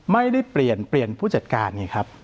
ไม่ได้เปลี่ยนเปลี่ยนผู้จัดการไงครับ